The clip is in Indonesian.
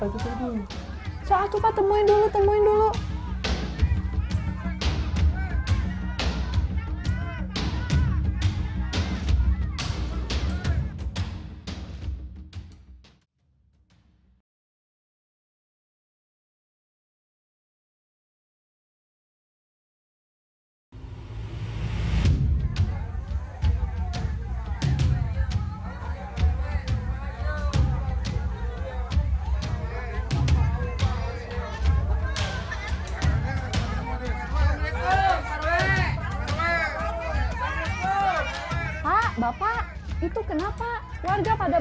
bahkan dari tawar aja